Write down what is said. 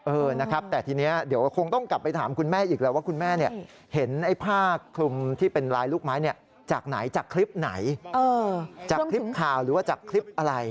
เออนะครับแต่ทีนี้เดี๋ยวคงต้องกลับไปถามคุณแม่อีกแล้วว่าคุณแม่เนี่ยเห็นไอ้ผ้าคลุมที่เป็นลายลูกไม้เนี่ยจากไหนจากคลิปไหนจากคลิปข่าวหรือว่าจากคลิปอะไร